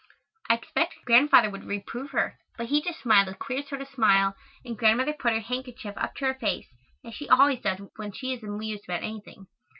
I expected Grandfather would reprove her, but he just smiled a queer sort of smile and Grandmother put her handkerchief up to her face, as she always does when she is amused about anything.